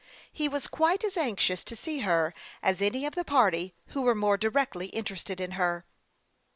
He was quite as anxious to see her as any of the party who were more directly interested in her.